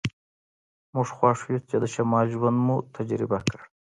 موږ خوښ یو چې د شمال ژوند مو تجربه کړ